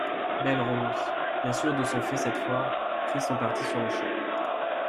Belle-Rose, bien sûr de son fait cette fois, prit son parti sur-le-champ.